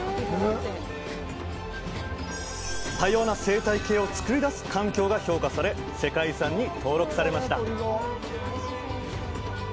多様な生態系を作り出す環境が評価され世界遺産に登録されました